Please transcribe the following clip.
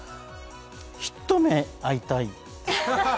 ひと目、会いたい！